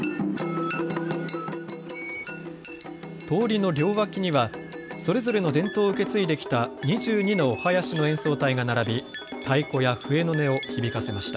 通りの両脇にはそれぞれの伝統を受け継いできた２２のお囃子の演奏隊が並び太鼓や笛の音を響かせました。